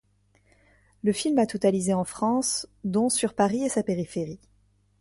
Le film a totalisé en France, dont sur Paris et sa périphérie.